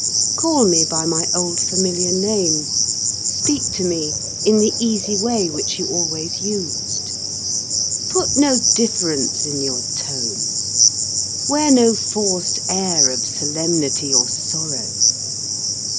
Call me by the old familiar name. Speak of me in the easy way which you always used. Put no difference into your tone. Wear no forced air of solemnity or sorrow.